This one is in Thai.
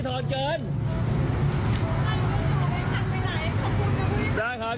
โทนเงินระวังนะครับ